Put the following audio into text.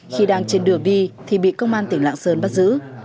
khi đang trên đường đi thì bị công an tỉnh lạng sơn bắt giữ